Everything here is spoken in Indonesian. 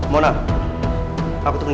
mona aku temenin